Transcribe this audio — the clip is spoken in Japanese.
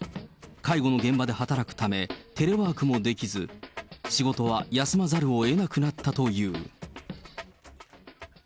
介護の現場で働くため、テレワークもできず、仕事は休まざるをえなくなったという。